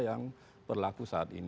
yang berlaku saat ini